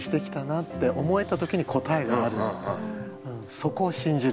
そこを信じる。